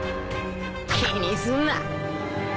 気にすんな。